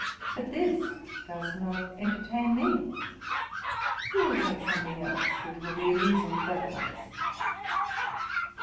But this does not entertain me. We will take something else, which will be amusing to both of us.